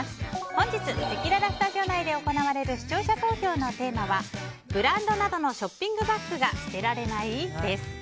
本日せきららスタジオ内で行われる視聴者投票のテーマはブランドなどのショッピングバッグが捨てられない？です。